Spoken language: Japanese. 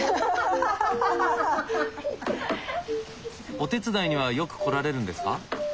お手伝いにはよく来られるんですか？